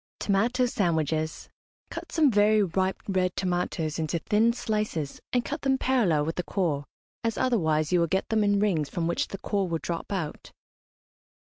TOMATO SANDWICHES. Cut some very ripe red tomatoes into thin slices, and cut them parallel with the core, as otherwise you will get them in rings from which the core will drop out.